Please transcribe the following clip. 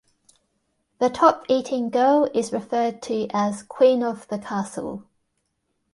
The top-eating girl is referred to as Queen of the Castle.